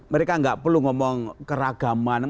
mereka nggak perlu ngomong keragaman